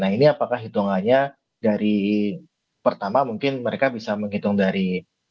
nah ini apakah hitungannya dari pertama mungkin mereka bisa menghitung dari